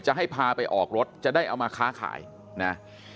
ให้พาไปออกรถจะได้เอามาค้าขายนะ